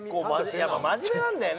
やっぱ真面目なんだよね。